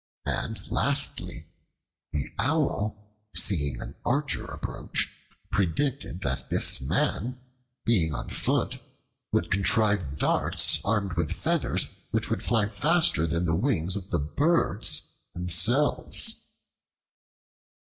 And, lastly, the Owl, seeing an archer approach, predicted that this man, being on foot, would contrive darts armed with feathers which would fly faster than the wings of the Birds themselves.